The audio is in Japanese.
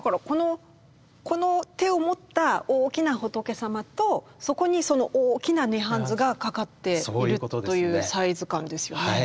この手を持った大きな仏様とそこにその大きな「涅槃図」が掛かっているというサイズ感ですよね。